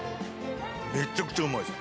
めっちゃくちゃうまいです。